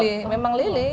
lili memang lili